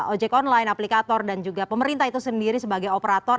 ojek online aplikator dan juga pemerintah itu sendiri sebagai operator